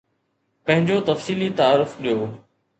پنهنجو تفصيلي تعارف ڏيو